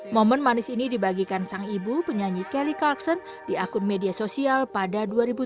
momen manis ini dibagikan sang ibu penyanyi kelly carkson di akun media sosial pada dua ribu tujuh belas